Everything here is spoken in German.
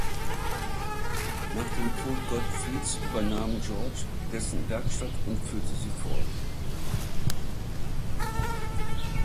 Nach dem Tod Gottfrieds übernahm George dessen Werkstatt und führte sie fort.